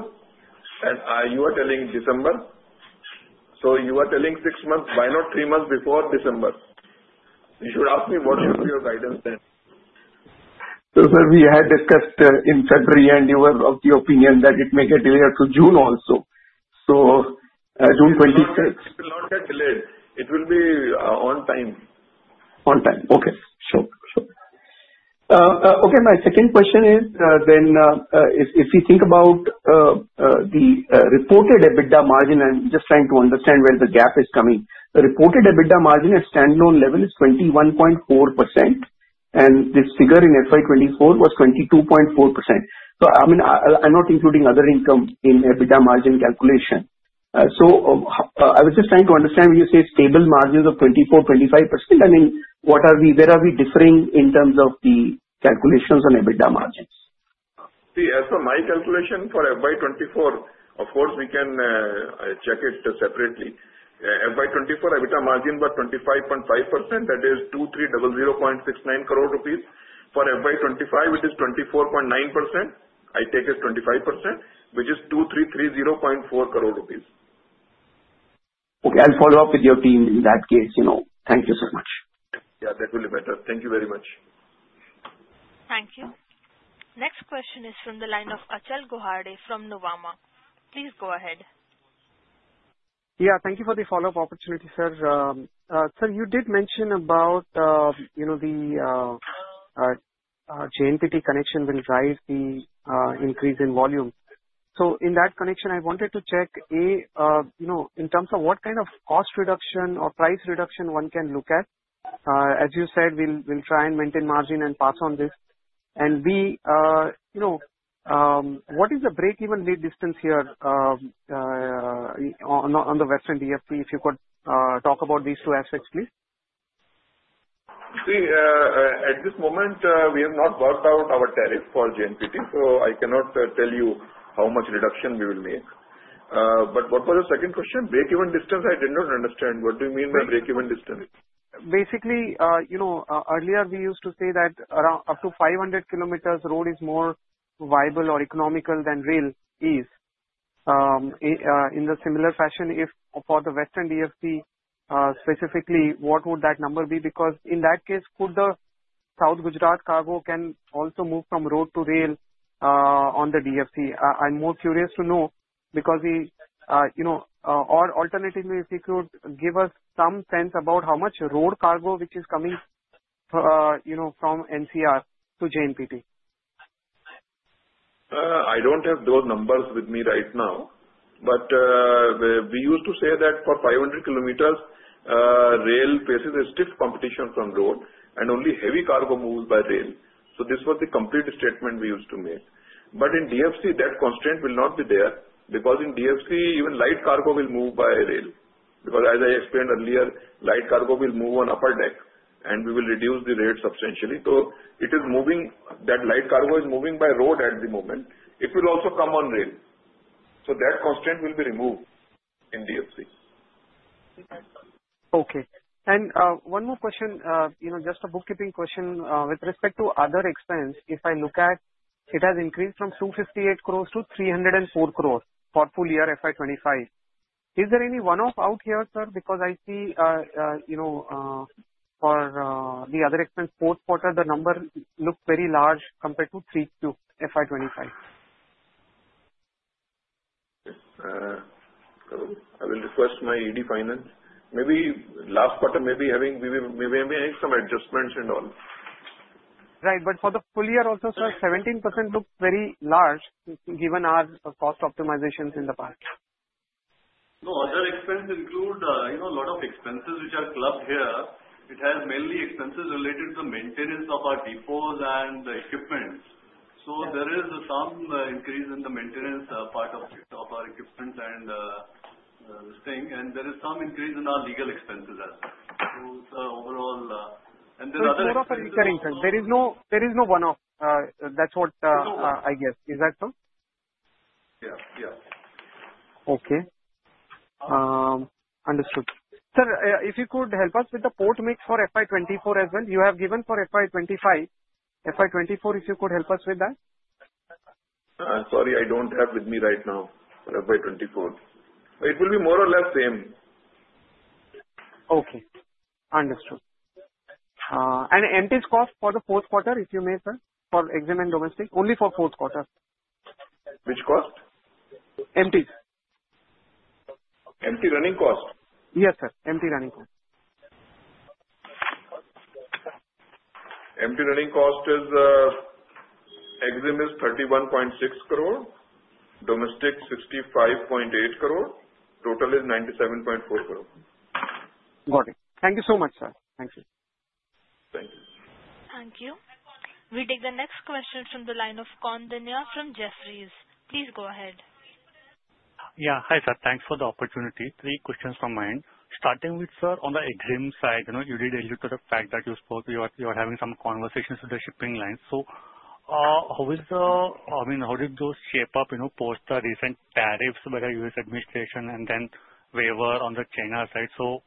And you are telling December. So you are telling six months. Why not three months before December? You should ask me what should be your guidance then. So sir, we had discussed in February, and you were of the opinion that it may get delayed up to June also. So June 26. It will not get delayed. It will be on time. On time. Okay. Sure. Sure. Okay. My second question is then, if you think about the reported EBITDA margin, I'm just trying to understand where the gap is coming. The reported EBITDA margin at standalone level is 21.4%. And this figure in FY24 was 22.4%. So I mean, I'm not including other income in EBITDA margin calculation. So I was just trying to understand when you say stable margins of 24%-25%, I mean, where are we differing in terms of the calculations on EBITDA margins? See, as per my calculation for FY24, of course, we can check it separately. FY24, EBITDA margin was 25.5%. That is 2,300.69 crore rupees. For FY25, it is 24.9%. I take it 25%, which is 2,330.4 crore rupees. Okay. I'll follow up with your team in that case. Thank you so much. Yeah. That will be better. Thank you very much. Thank you. Next question is from the line of Achal Lohade from Nuvama. Please go ahead. Yeah. Thank you for the follow-up opportunity, sir. Sir, you did mention about the JNPT connection will drive the increase in volume. So in that connection, I wanted to check, A, in terms of what kind of cost reduction or price reduction one can look at. As you said, we'll try and maintain margin and pass on this. And B, what is the break-even lead distance here on the western DFC? If you could talk about these two aspects, please. See, at this moment, we have not worked out our tariff for JNPT. So I cannot tell you how much reduction we will make. But what was the second question? Break-even distance, I did not understand. What do you mean by break-even distance? Basically, earlier, we used to say that up to 500 kilometers road is more viable or economical than rail is. In the similar fashion, if for the Western DFC specifically, what would that number be? Because in that case, could the South Gujarat cargo can also move from road to rail on the DFC? I'm more curious to know because our alternative, if you could give us some sense about how much road cargo which is coming from NCR to JNPT. I don't have those numbers with me right now. But we used to say that for 500 km, rail faces a stiff competition from road, and only heavy cargo moves by rail. So this was the complete statement we used to make. But in DFC, that constraint will not be there because in DFC, even light cargo will move by rail. Because as I explained earlier, light cargo will move on upper deck, and we will reduce the rate substantially. So it is that light cargo is moving by road at the moment. It will also come on rail. So that constraint will be removed in DFC. Okay. And one more question, just a bookkeeping question with respect to other expense. If I look at it has increased from 258 crores to 304 crores for full year FY25. Is there any one-off out here, sir? Because I see for the other expense, fourth quarter, the number looked very large compared to three to FY25. I will request my ED Finance. Maybe last quarter, maybe we may have made some adjustments and all. Right. But for the full year also, sir, 17% looks very large given our cost optimizations in the past. No. Other expenses include a lot of expenses which are clubbed here. It has mainly expenses related to the maintenance of our depots and the equipment. There is some increase in the maintenance part of our equipment and this thing. There is some increase in our legal expenses as well. It's overall. There's other. No worry for reassuring, sir. There is no one-off. That's what I guess. Is that so? Yeah. Yeah. Okay. Understood. Sir, if you could help us with the port mix for FY24 as well. You have given for FY25. FY24, if you could help us with that. Sorry, I don't have it with me right now for FY24. It will be more or less the same. Okay. Understood. And MT's cost for the fourth quarter, if you may, sir, for EXIM and domestic? Only for fourth quarter. Which cost? MT's. MT running cost? Yes, sir. MT running cost. MT running cost is EXIM is 31.6 crore. Domestic 65.8 crore. Total is 97.4 crore. Got it. Thank you so much, sir. Thank you. Thank you. Thank you. We take the next question from the line of Koundinya from Jefferies. Please go ahead. Yeah. Hi, sir. Thanks for the opportunity. Three questions from my end. Starting with, sir, on the EXIM side, you did allude to the fact that you spoke you are having some conversations with the shipping lines. So how is the—I mean, how did those shape up post the recent tariffs by the U.S. administration and then waiver on the China side? So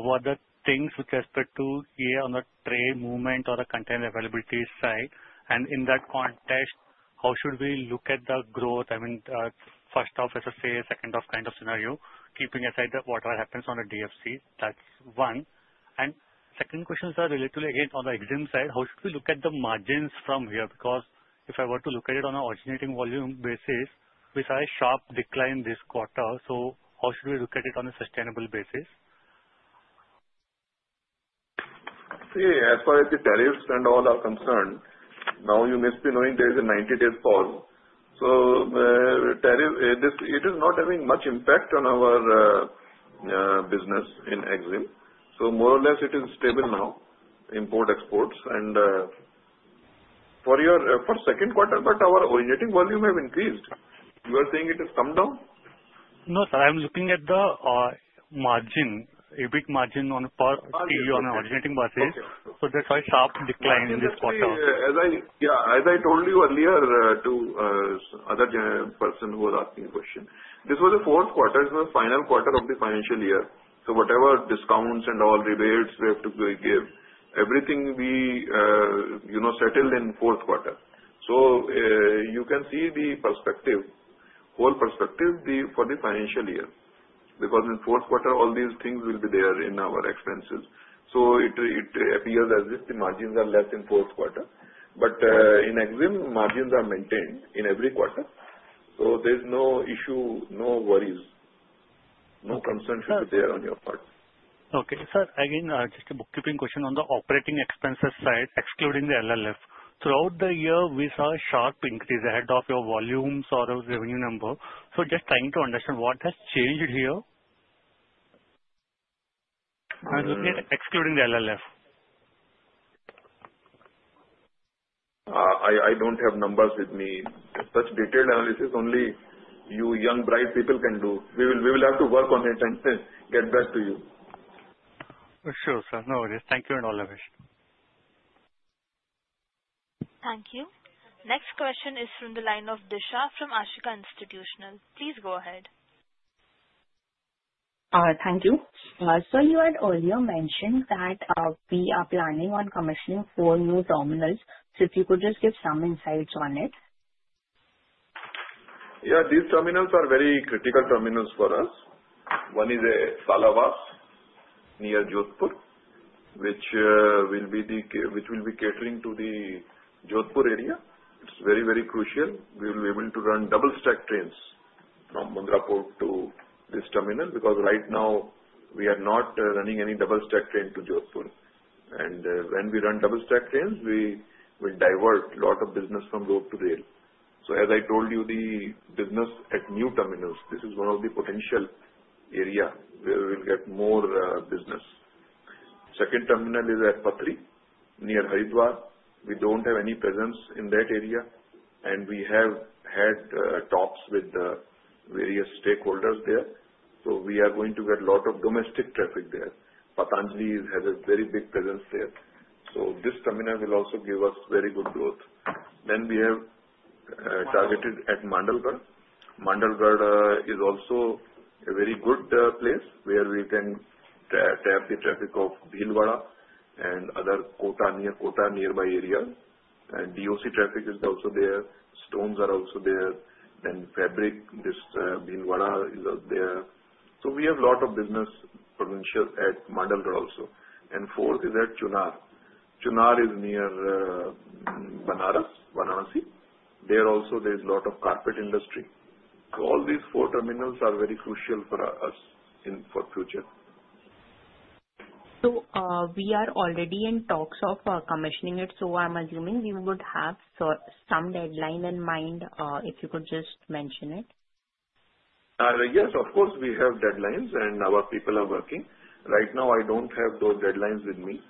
what are the things with respect to here on the trade movement or the container availability side? And in that context, how should we look at the growth? I mean, first off, as I say, second off kind of scenario, keeping aside whatever happens on the DFC. That's one, and second question is relatively again on the EXIM side, how should we look at the margins from here? Because if I were to look at it on an originating volume basis, we saw a sharp decline this quarter. So how should we look at it on a sustainable basis? See, as far as the tariffs and all are concerned, now you must be knowing there is a 90-day pause. So tariff, it is not having much impact on our business in EXIM. So more or less, it is stable now, import-exports. And for second quarter, but our originating volume has increased. You are saying it has come down? No, sir. I'm looking at the margin, EBIT margin per TEU on an originating basis. So that's why sharp decline in this quarter. Yeah. As I told you earlier to other person who was asking the question, this was the fourth quarter. This was the final quarter of the financial year. So whatever discounts and all rebates we have to give, everything we settled in fourth quarter. So you can see the perspective, whole perspective for the financial year. Because in fourth quarter, all these things will be there in our expenses. So it appears as if the margins are less in fourth quarter. But in EXIM, margins are maintained in every quarter. So there is no issue, no worries. No concern should be there on your part. Okay. Sir, again, just a bookkeeping question on the operating expenses side, excluding the LLF. Throughout the year, we saw a sharp increase ahead of your volumes or revenue number. So just trying to understand what has changed here. I'm looking at excluding the LLF. I don't have numbers with me. Such detailed analysis only you young bright people can do. We will have to work on it and get back to you. Sure, sir. No worries. Thank you and all the best. Thank you. Next question is from the line of Disha from Ashika Institutional. Please go ahead. Thank you. So you had earlier mentioned that we are planning on commissioning four new terminals. So if you could just give some insights on it? Yeah. These terminals are very critical terminals for us. One is a Salawas near Jodhpur, which will be catering to the Jodhpur area. It's very, very crucial. We will be able to run double-stack trains from Mundra Port to this terminal because right now, we are not running any double-stack train to Jodhpur. And when we run double-stack trains, we will divert a lot of business from road to rail. So as I told you, the business at new terminals, this is one of the potential areas where we will get more business. Second terminal is at Pathri near Haridwar. We don't have any presence in that area. And we have had talks with the various stakeholders there. So we are going to get a lot of domestic traffic there. Patanjali has a very big presence there. So this terminal will also give us very good growth. Then we have targeted at Mandalgarh. Mandalgarh is also a very good place where we can tap the traffic of Bhilwara and other Kota nearby areas. And DOC traffic is also there. Stones are also there. Then fabric, this Bhilwara is there. So we have a lot of business potential at Mandalgarh also. And fourth is at Chunar. Chunar is near Varanasi. There also, there is a lot of carpet industry. So all these four terminals are very crucial for us for future. So we are already in talks of commissioning it. So I'm assuming you would have some deadline in mind if you could just mention it. Yes. Of course, we have deadlines, and our people are working. Right now, I don't have those deadlines with me,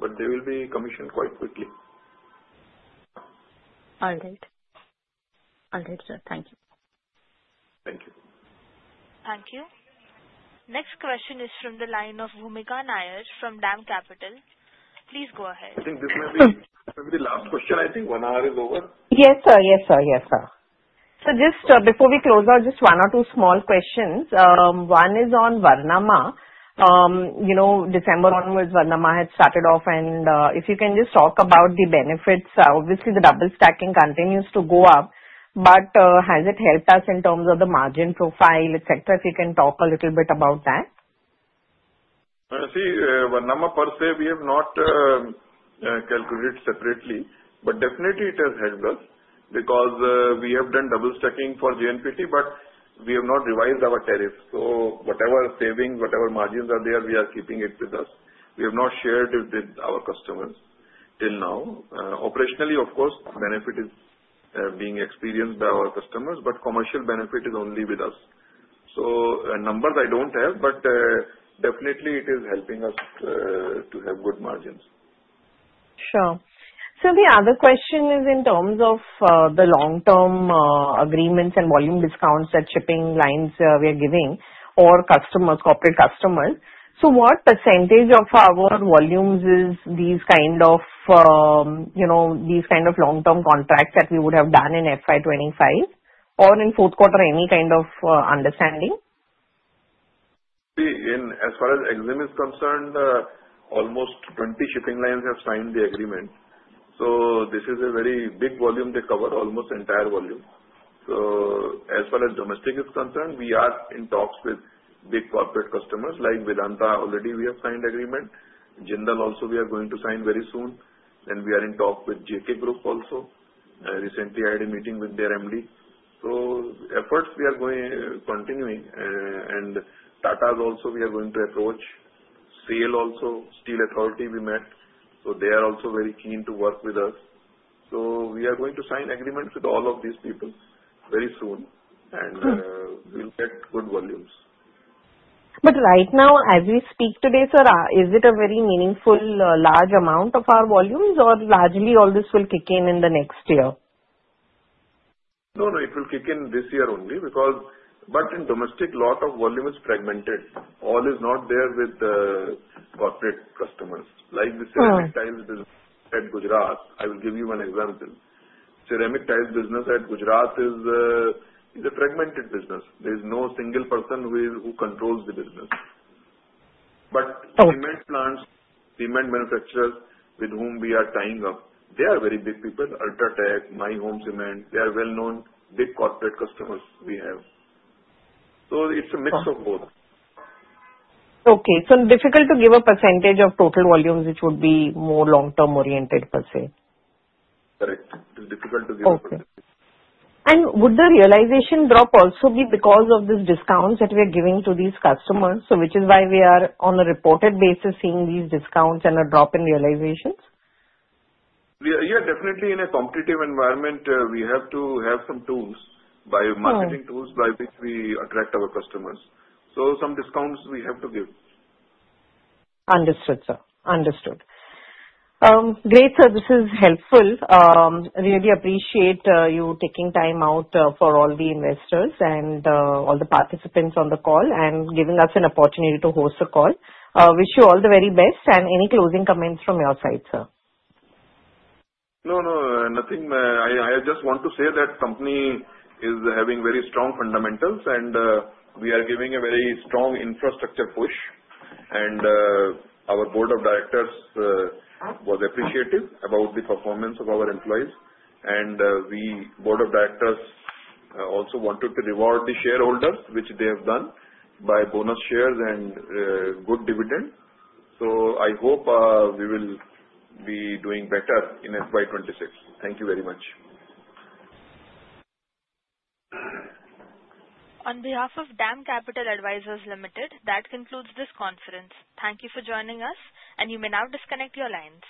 but they will be commissioned quite quickly. All right. All right, sir. Thank you. Thank you. Thankyou. Next question is from the line of Bhoomika Nair from DAM Capital. Please go ahead. I think this may be the last question. I think one hour is over. Yes, sir. Yes, sir. Yes, sir. So just before we close out, just one or two small questions. One is on Varnama. December onwards, Varnama had started off. And if you can just talk about the benefits. Obviously, the double-stacking continues to go up. But has it helped us in terms of the margin profile, etc.? If you can talk a little bit about that. See, Varnama per se, we have not calculated separately. But definitely, it has helped us because we have done double-stacking for JNPT, but we have not revised our tariff. So whatever savings, whatever margins are there, we are keeping it with us. We have not shared it with our customers till now. Operationally, of course, benefit is being experienced by our customers, but commercial benefit is only with us. So numbers I don't have, but definitely, it is helping us to have good margins. Sure. So the other question is in terms of the long-term agreements and volume discounts that shipping lines we are giving or corporate customers. So what percentage of our volumes is these kind of long-term contracts that we would have done in FY25? Or in fourth quarter, any kind of understanding? See, as far as EXIM is concerned, almost 20 shipping lines have signed the agreement. So this is a very big volume. They cover almost entire volume. So as far as domestic is concerned, we are in talks with big corporate customers like Vedanta. Already, we have signed agreement. Jindal also, we are going to sign very soon. Then we are in talk with JK Group also. Recently, I had a meeting with their MD. So efforts we are continuing. And Tata also, we are going to approach. SAIL also, Steel Authority we met. So they are also very keen to work with us. So we are going to sign agreements with all of these people very soon. And we'll get good volumes. But right now, as we speak today, sir, is it a very meaningful large amount of our volumes? Or largely, all this will kick in in the next year? No, no. It will kick in this year only. But in domestic, a lot of volume is fragmented. All is not there with corporate customers. Like the ceramic tiles business at Gujarat, I will give you one example. Ceramic tiles business at Gujarat is a fragmented business. There is no single person who controls the business. But cement plants, cement manufacturers with whom we are tying up, they are very big people. UltraTech, My Home Cement, they are well-known big corporate customers we have. So it's a mix of both. Okay. So difficult to give a percentage of total volumes which would be more long-term oriented, per se. Correct. It is difficult to give a percentage. And would the realization drop also be because of these discounts that we are giving to these customers? So which is why we are on a reported basis seeing these discounts and a drop in realizations? Yeah. Definitely, in a competitive environment, we have to have some tools, marketing tools by which we attract our customers. So some discounts we have to give. Understood, sir. Understood. Great, sir. This is helpful. Really appreciate you taking time out for all the investors and all the participants on the call and giving us an opportunity to host a call. Wish you all the very best. Any closing comments from your side, sir? No, no. Nothing. I just want to say that the company is having very strong fundamentals. And we are giving a very strong infrastructure push. And our board of directors was appreciative about the performance of our employees. And the board of directors also wanted to reward the shareholders, which they have done, by bonus shares and good dividends. So I hope we will be doing better in FY26. Thank you very much. On behalf of DAM Capital Advisors Limited, that concludes this conference. Thank you for joining us, and you may now disconnect your lines.